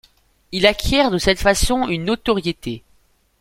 Il acquiert de cette façon une notoriété.